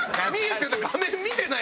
画面見てない！